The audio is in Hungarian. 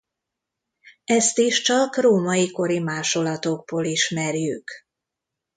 Ezt is csak római kori másolatokból ismerjük.